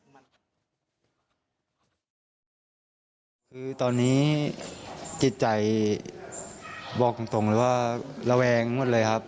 คือตอนนี้จิตใจบอกตรงเลยว่าระแวงหมดเลยครับ